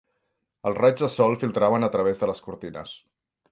Els raigs del sol filtraven a través de les cortines.